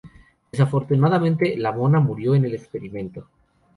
Desafortunadamente la mona murió en el experimento.